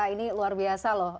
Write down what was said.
ini luar biasa loh